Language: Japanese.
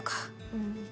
うん。